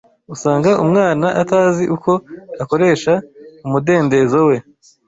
usanga umwana atazi uko akoresha umudendezo we